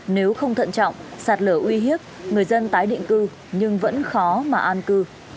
nếu không thận trọng sạt lở uy hiếp người dân tái định cư nhưng vẫn khó mà an cư